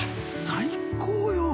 最高よ。